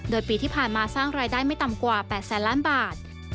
โดยปีที่ผ่านมาสร้างรายได้ไม่ต่ำกว่า๘แสนล้านบาท